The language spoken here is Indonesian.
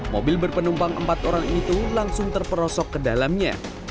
mobil berpenumpang empat orang itu langsung terperosok ke dalamnya